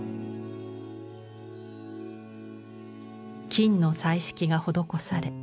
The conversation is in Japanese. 金の彩色が施され